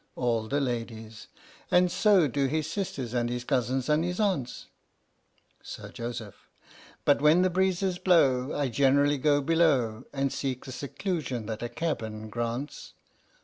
All the Ladies. And so do his sisters, and his cousins, and his aunts ! Sir Joseph. But when the breezes blow I generally go below, And seek the seclusion that a cabin grants!